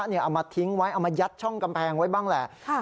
เอามาทิ้งไว้เอามายัดช่องกำแพงไว้บ้างแหละ